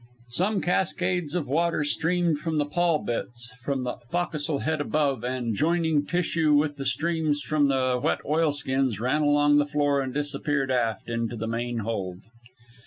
Small cascades of water streamed from the pall bits from the fo'castle head above, and, joining issue with the streams from the wet oilskins, ran along the floor and disappeared aft into the main hold.